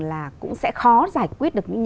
là cũng sẽ khó giải quyết được